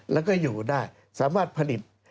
แล้วก็อยู่ได้สามารถผลิต